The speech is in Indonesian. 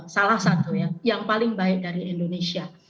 salah satu yang paling baik dari indonesia